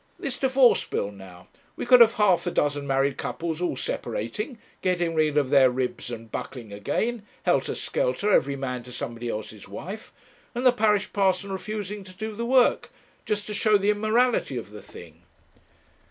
'This Divorce Bill, now we could have half a dozen married couples all separating, getting rid of their ribs and buckling again, helter skelter, every man to somebody else's wife; and the parish parson refusing to do the work; just to show the immorality of the thing.'